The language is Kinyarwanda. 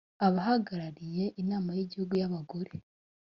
abahagarariye inama y igihugu y abagore